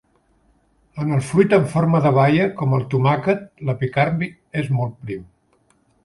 En el fruit en forma de baia, com el tomàquet, l'epicarpi és molt prim.